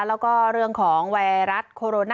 แล้วก็เรื่องของวัยรัฐ